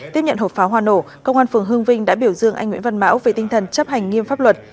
tiếp nhận hộp pháo hoa nổ công an phường hương vinh đã biểu dương anh nguyễn văn mão về tinh thần chấp hành nghiêm pháp luật